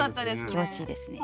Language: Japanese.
気持ちいいですね。